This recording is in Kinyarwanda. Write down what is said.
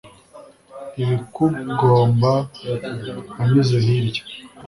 ibikugomba wanyuze hirya